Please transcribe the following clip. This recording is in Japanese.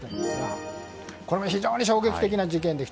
非常に衝撃的な事件でした。